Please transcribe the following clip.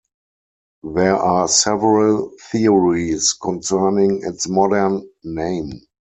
There are several theories concerning its modern name.